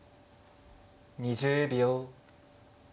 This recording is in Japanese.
２０秒。